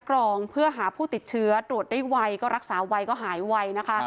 กรองเพื่อหาผู้ติดเชื้อตรวจได้ไวก็รักษาไวก็หายไวนะคะ